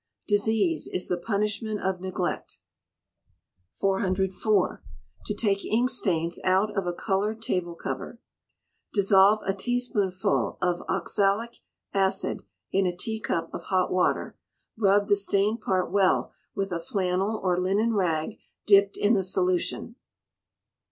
[DISEASE IS THE PUNISHMENT OF NEGLECT.] 404. To take Ink Stains out of a Coloured Table Cover. Dissolve a teaspoonful of oxalic acid in a teacup of hot water; rub the stained part well with a flannel or linen rag dipped in the solution.